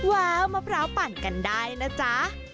ว้าวมะพร้าวปั่นกันได้นะจ๊ะ